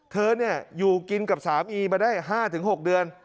เธอเนี่ยอยู่กินกับสามีมาได้ห้าถึงหกเดือน